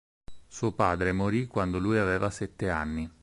Suo padre morì quando lui aveva sette anni.